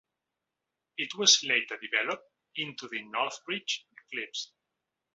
It was later developed into the Northbridge Eclipse.